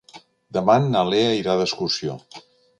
Demà na Lea irà d'excursió.